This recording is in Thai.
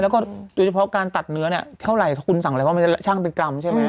แล้วก็โดยเฉพาะการตัดเนื้อเนี่ยเท่าไหร่คุณสั่งอะไรว่ามันจะช่างเป็นกรรมใช่ไหม